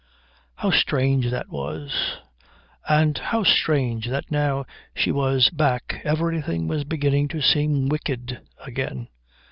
How strange that was. And how strange that now she was back everything was beginning to seem wicked again.